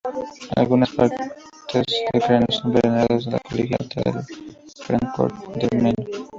Algunas partes del cráneo son veneradas en la Colegiata de Fráncfort del Meno.